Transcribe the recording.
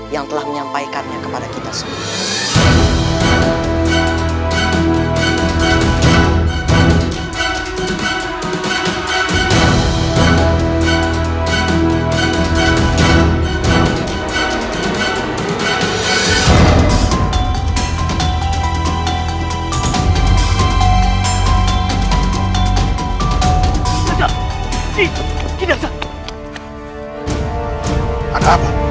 yang telah menyampaikannya kepada kita semua